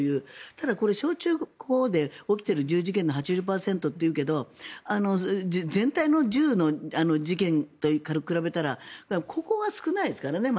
ただ、これ小中高で起きている銃事件の８０％というけど全体の銃の事件と比べたらここが少ないですからね。